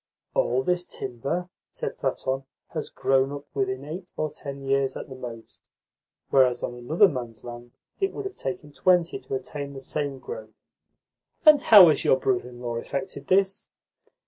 "All this timber," said Platon, "has grown up within eight or ten years at the most; whereas on another man's land it would have taken twenty to attain the same growth." "And how has your brother in law effected this?"